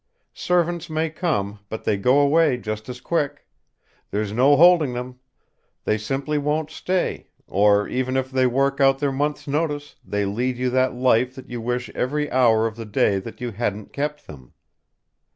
Servants may come; but they go away just as quick. There's no holding them. They simply won't stay; or even if they work out their month's notice, they lead you that life that you wish every hour of the day that you hadn't kept them.